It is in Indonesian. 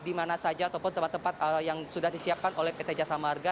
di mana saja ataupun tempat tempat yang sudah disiapkan oleh pt jasa marga